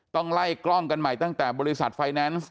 ต้องไล่กล้องกันใหม่ตั้งแต่บริษัทไฟแนนซ์